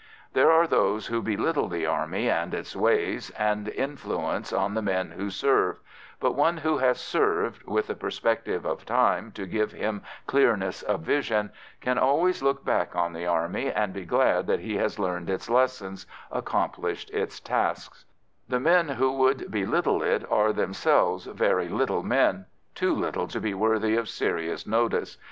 There are those who belittle the Army and its ways and influence on the men who serve, but one who has served, with the perspective of time to give him clearness of vision, can always look back on the Army and be glad that he has learned its lessons, accomplished its tasks; the men who would belittle it are themselves very little men, too little to be worthy of serious notice.